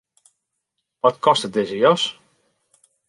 Wat kostet dizze jas?